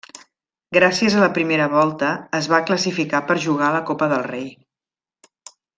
Gràcies a la primera volta es va classificar per jugar la Copa del Rei.